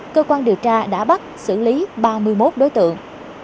cơ quan điều tra đã bắt xử lý ba mươi một đối tượng